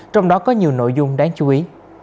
trong đó có nhiều nội dung đáng chú ý